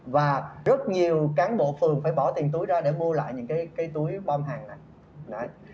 và rất nhiều cán bộ phường phải bỏ tiền túi ra để mua lại những cái tiền túi này